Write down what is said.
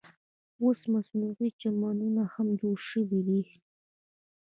اوس مصنوعي چمنونه هم جوړ شوي دي.